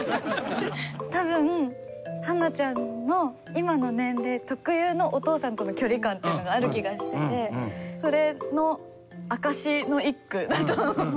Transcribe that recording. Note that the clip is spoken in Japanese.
たぶん花菜ちゃんの今の年齢特有のお父さんとの距離感っていうのがある気がしててそれの証しの一句だと思う。